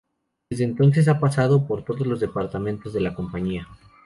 Desde entonces ha pasado por todos los departamentos de la compañía.